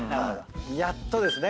やっとですね。